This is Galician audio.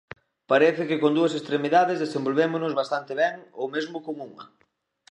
Parece que con dúas extremidades desenvolvémonos bastante ben ou mesmo con unha.